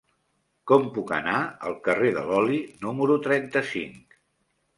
Com puc anar al carrer de l'Oli número trenta-cinc?